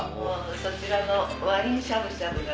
そちらのワインしゃぶしゃぶが。